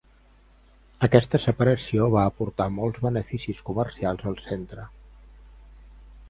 Aquesta separació va aportar molts beneficis comercials al centre.